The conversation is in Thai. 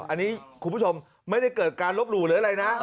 อันนี้คุณผู้ชมไม่ได้เกิดการลบหลู่หรืออะไรนะ